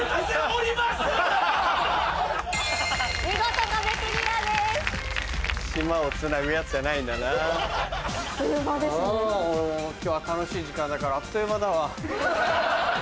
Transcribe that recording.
俺も今日は楽しい時間だからあっという間だわ。